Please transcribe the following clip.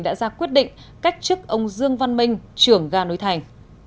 đã ra quyết định cách chức ông dương văn minh trưởng ga núi thành